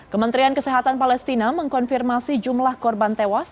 kementerian kesehatan palestina mengkonfirmasi jumlah korban tewas